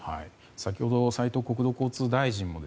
先ほど斉藤国土交通大臣も